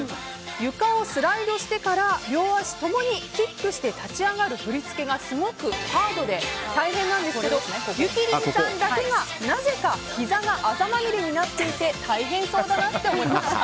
床をスライドしてから、両足共にキックして立ち上がる振り付けがすごくハードで大変なんですけどゆきりんさんだけが、なぜかひざがあざまみれになっていて大変そうだなと思いました。